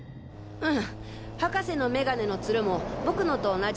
うん！